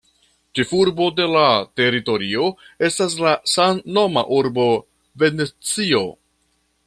Ĉefurbo de la teritorio estas la samnoma urbo Venecio.